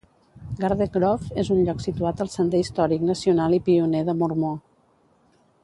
Garden Grove és un lloc situat al Sender Històric Nacional i Pioner de Mormó.